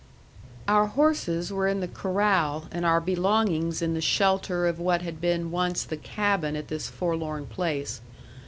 Our horses were in the corral and our belongings in the shelter of what had been once the cabin at this forlorn place.